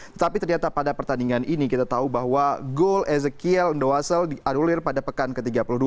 tetapi ternyata pada pertandingan ini kita tahu bahwa gol ezekiel endowasel diadulir pada pekan ke tiga puluh dua